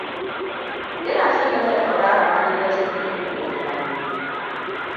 Ina son yadda tauraron Arewacin ke dunƙule hannu!